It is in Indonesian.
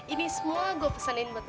ini semua gue pesenin buat lo